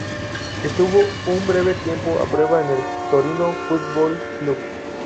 Estuvo un breve tiempo a prueba en el Torino Football Club.